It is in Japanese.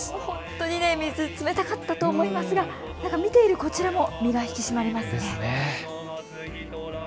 ほんとに水、冷たかったと思いますが見ているこちらも身が引き締まりますね。